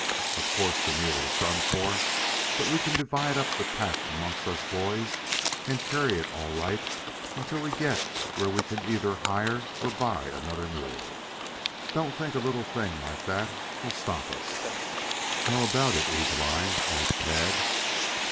Of course the mule is done for, but we can divide up the pack amongst us boys and carry it all right until we get where we can either hire or buy another mule. Don't think a little thing like that will stop us." "How about it, Eagle eye?" asked Tad.